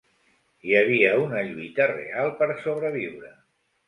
Hi havia una lluita real per sobreviure.